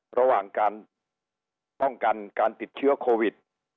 ระหว่างการป้องกันการติดเชื้อโควิด